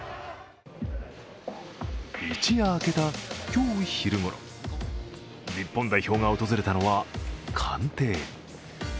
一夜明けた今日昼ごろ、日本代表が訪れたのは官邸。